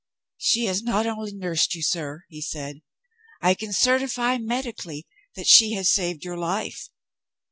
'She has not only nursed you, sir,' he said; 'I can certify medically that she has saved your life.